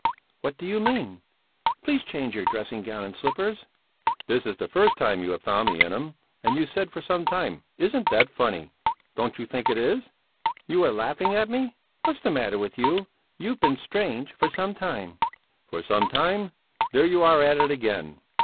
What do you mean? Please change your dressing gown and slippers." "This is the first time you have found me in them, and you said for some time. Isn't that funny? Don't you think it is?" "You are laughing at me! What's the matter with you? You've been strange for some time." "For some time? There you are at it again!